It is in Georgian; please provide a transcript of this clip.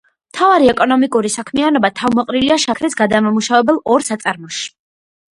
მთავარი ეკონომიკური საქმიანობა თავმოყრილია შაქრის გადამამუშავებელ ორ საწარმოში.